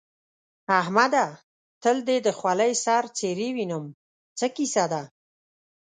احمده! تل دې د خولۍ سر څيرې وينم؛ څه کيسه ده؟